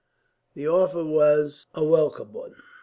The offer was a welcome one.